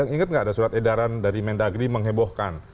ingat nggak ada surat edaran dari mendagri menghebohkan